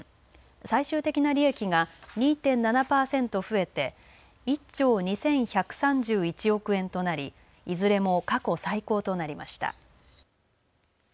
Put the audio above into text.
最終的な利益が２．７パーセント増えて１兆２１３１億円となりいずれも過去最高となりました。